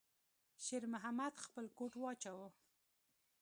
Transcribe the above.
شېرمحمد خپل کوټ واچاوه.